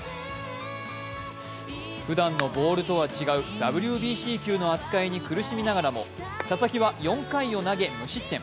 ふだんのボールとは違うＷＢＣ球の扱いに苦しみながらも佐々木は４回を投げ無失点。